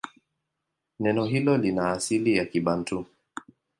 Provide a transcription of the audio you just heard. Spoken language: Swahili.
Neno hilo lina asili ya Kibantu.